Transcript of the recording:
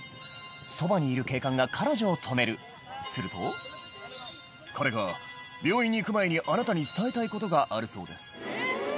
そばにいる警官が彼女を止めるすると「彼が病院に行く前にあなたに伝えたいことがあるそうです」